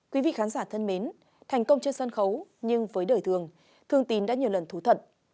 quý vị khán giả thân mến thành công trên sân khấu nhưng với đời thường thương tín đã nhiều lần thú thật